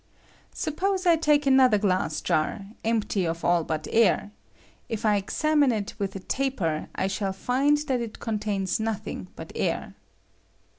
Suppose I take another glass jar, empty of all but air : if I examine it with a taper I shall find that it contains nothing but air.